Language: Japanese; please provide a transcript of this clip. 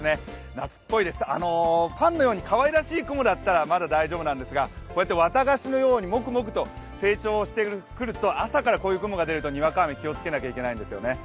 夏っぽいです、パンのようにかわいらしい雲だったらまだ大丈夫なんですが綿菓子のようにモクモクと成長してくると、朝からこういう雲が出るとにわか雨、気をつけなきゃいけないんですよね。